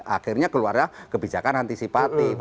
akhirnya keluarnya kebijakan antisipatif